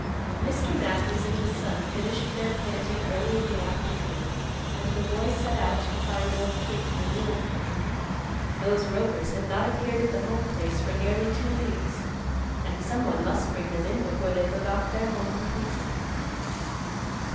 Mr. Matthews and his son finished their planting early in the afternoon and the boy set out to find old Kate and the mule colt. Those rovers had not appeared at the home place for nearly two weeks, and some one must bring them in before they forgot their home completely.